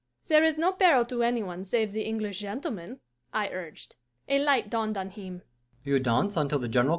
'There is no peril to any one save the English gentleman,' I urged. A light dawned on him.